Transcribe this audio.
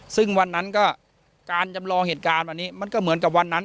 ซึ่งวันนั้นก็การจำลองเหตุการณ์วันนี้มันก็เหมือนกับวันนั้น